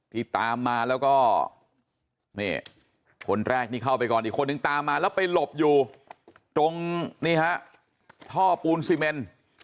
ที่ตามมาแล้วก็นี่คนแรกนี่เข้าไปก่อนอีกคนนึงตามมาแล้วไปหลบอยู่ตรงนี่ฮะท่อปูนซีเมน